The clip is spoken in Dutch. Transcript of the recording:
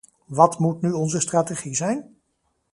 Wat moet nu onze strategie zijn?